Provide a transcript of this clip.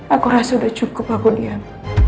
aku rasa udah cukup aku diam